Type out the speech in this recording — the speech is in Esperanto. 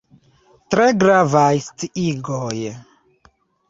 Tre gravaj sciigoj.